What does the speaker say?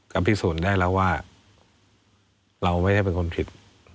ก็พิสูจน์ได้แล้วว่าเราไม่ได้เป็นคนผิด